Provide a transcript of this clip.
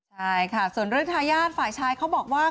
ใช่ค่ะส่วนเรื่องทายาทฝ่ายชายเขาบอกว่า